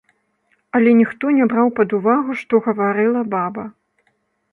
Але ніхто не браў пад увагу, што гаварыла баба.